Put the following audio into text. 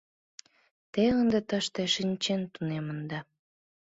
Те ынде тыште шинчен тунемында.